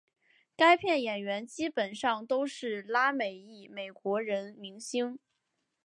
该片演员基本上都是拉美裔美国人明星。